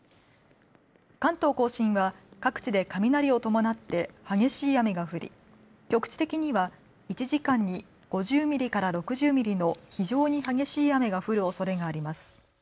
関東・甲信は各地で雷を伴って激しい雨が降り局地的には１時間に５０ミリから６０ミリの非常に激しい雨が降るおそれがあります。